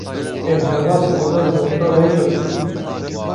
Em derbasî oda Dr. Rweylot bûn.